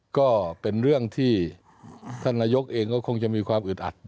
ก็เป็นเรื่องที่ท่านนายกเองก็คงจะมีความอึดอัด